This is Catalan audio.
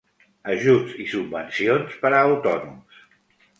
Ajuts i subvencions per a autònoms.